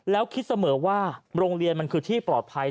แล้วคิดเสมอว่าโรงเรียนมันคือที่ปลอดภัย